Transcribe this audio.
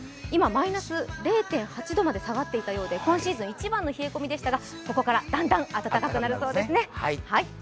今マイナス０．８度まで下がっていたようで、今シーズン一番の冷え込みでしたが、ここから、だんだん暖かくなるそうです。